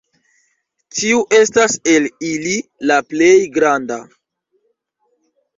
Tiu estas el ili la plej granda.